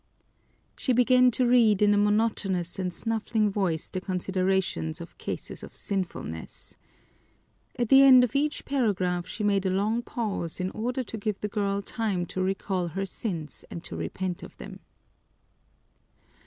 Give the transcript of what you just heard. She began to read in a monotonous and snuffling voice the considerations of cases of sinfulness. At the end of each paragraph she made a long pause in order to give the girl time to recall her sins and to repent of them.